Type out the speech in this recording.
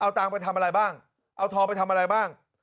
เอาตังค์ไปทำอะไรบ้างเอาทองไปทำอะไรบ้าง